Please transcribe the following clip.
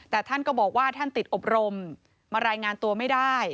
แต่ท่านก็บอกว่าท่านติดอบรมมารายงานตัวไม่ได้